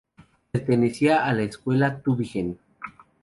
Pertenecía a la escuela Tübingen.